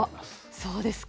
そうですか。